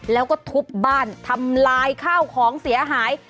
แล้วก็ทุบบ้านทำลายข้าวของเสียหาย